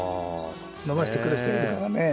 伸ばしてくる人がいるからね。